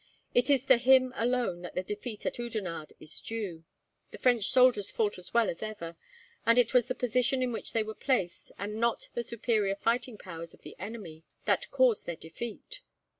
It is to him, alone, that the defeat at Oudenarde is due. The French soldiers fought as well as ever, and it was the position in which they were placed, and not the superior fighting powers of the enemy, that caused their defeat."